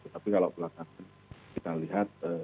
tapi kalau belakangan kita lihat